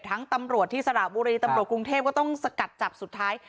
ตำรวจที่สระบุรีตำรวจกรุงเทพก็ต้องสกัดจับสุดท้าย